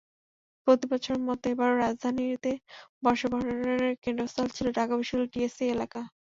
প্রতিবছরের মতো এবারও রাজধানীতে বর্ষবরণের কেন্দ্রস্থল ছিল ঢাকা বিশ্ববিদ্যালয়ের টিএসসি এলাকা।